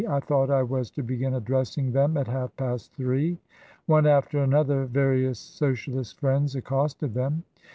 I thought I was to begin addressing them at half past three." One after another various Socialist friends accosted them.